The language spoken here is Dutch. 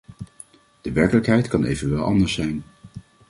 De werkelijkheid kan evenwel anders zijn.